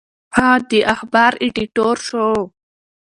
هغه د اخبار ایډیټور شو.